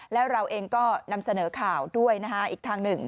แล้วเราเองก็นำเสนอข่าวด้วยนะฮะอีกทางหนึ่ง